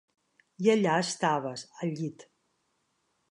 I allà estaves, al llit.